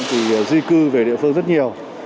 thì di cư về địa phương rất nhiều